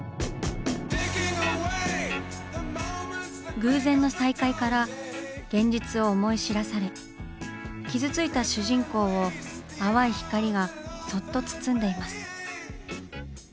偶然の再会から現実を思い知らされ傷ついた主人公を淡い光がそっと包んでいます。